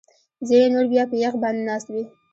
ځینې نور بیا په یخ باندې ناست وي